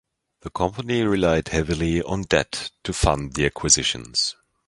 The company relied heavily on debt to fund the acquisitions.